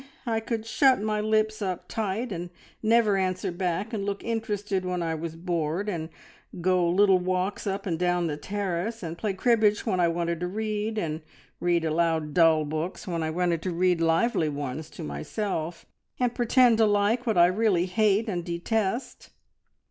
I could shut my lips up tight and never answer back, and look interested when I was bored, and go little walks up and down the terrace, and play cribbage when I wanted to read, and read aloud dull books when I wanted to read lively ones to myself, and pretend to like what I really hate and detest."